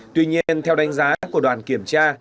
tuy nhiên theo đánh giá của đoàn kiểm tra